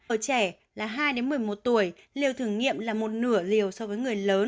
ở trẻ là hai một mươi một tuổi liều thử nghiệm là một nửa liều so với người lớn